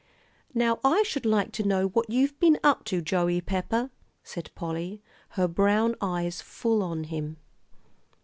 "Now I should like to know what you've been up to, Joey Pepper?" said Polly, her brown eyes full on him.